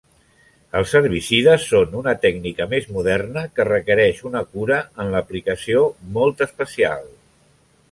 Els herbicides són una tècnica més moderna que requereix una cura en l'aplicació molt especial.